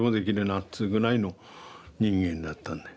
っつうぐらいの人間だったんだよ。